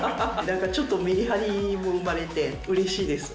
ちょっとめりはりも生まれてうれしいです。